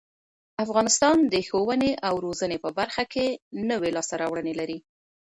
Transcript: افغانستان د ښوونې او روزنې په برخه کې نوې لاسته راوړنې لري.